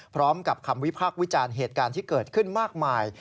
พร้อมกับคำวิพากษ์วิจารณ์เหตุการณ์ที่เกิดขึ้นมากมาย